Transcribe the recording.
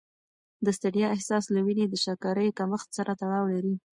د ستړیا احساس له وینې د شکرې کمښت سره تړاو لري.